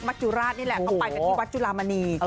มัธยุราชนี่แหละต้องไปกันที่วัดจุลามานี